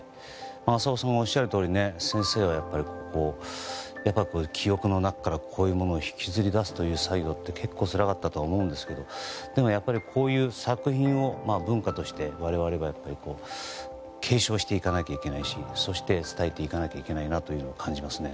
浅尾さんがおっしゃるように先生が記憶の中からこういうものを引きずり出すという作業って結構つらかったと思うんですけどこういう作品を文化として我々が継承していかなければいけないしそして、伝えていかなきゃいけないなと感じますね。